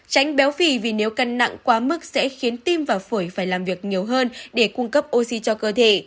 tránh béo phì vì nếu cân nặng quá mức sẽ khiến tim và phổi phải làm việc nhiều hơn để cung cấp oxy cho cơ thể